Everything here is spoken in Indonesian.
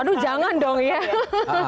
aduh jangan dong ya